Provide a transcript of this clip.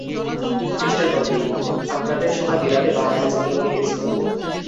Mister Nandi, আপনাদের সময় বিলাতে বাঙালি ছাত্র কে কে ছিল।